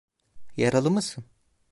Yaralı mısın?